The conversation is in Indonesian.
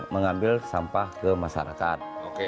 mengambil sampah ke masyarakat